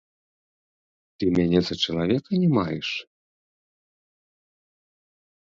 Ты мяне за чалавека не маеш?